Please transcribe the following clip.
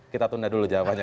kita tunda dulu jawabannya